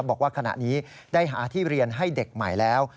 บอกว่าขณะนี้ได้หาที่เรียนให้เด็กใหม่แล้ว